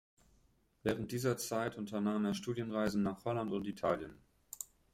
Während dieser Zeit unternahm er Studienreisen nach Holland und Italien.